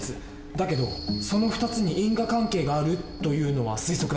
だけどその２つに因果関係があるというのは推測だ。